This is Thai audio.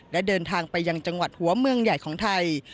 และเดินทางไปยังจังหวัดหัวเมืองใหญ่ของไทย